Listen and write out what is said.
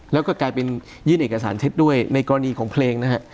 แล้วก็กลายเป็นยื่นเอกสารเท็จด้วยในกรณีของเพลงนะฮะ